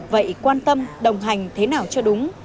vậy quan tâm đồng hành thế nào cho đúng